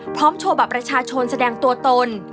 พร้อมโชว์แบบประชาชนแสดงตัวตน